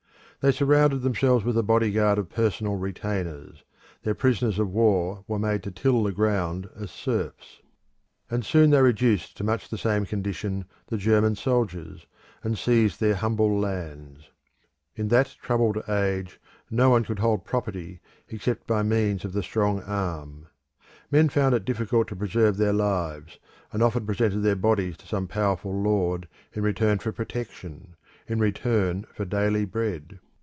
They surrounded themselves with a bodyguard of personal retainers; their prisoners of war were made to till the ground as serfs. And soon they reduced to much the same condition the German soldiers, and seized their humble lands. In that troubled age none could hold property except by means of the strong arm. Men found it difficult to preserve their lives, and often presented their bodies to some powerful lord in return for protection, in return for daily bread.